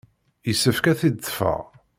Yessefk ad t-id-ṭṭfeɣ.